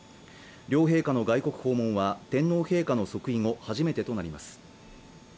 両陛下の外国訪問は天皇陛下の即位後初めてとなります